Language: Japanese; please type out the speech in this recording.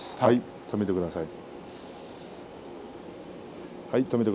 止めてください。